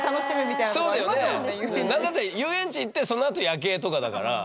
それも何だったら遊園地行ってそのあと夜景とかだから。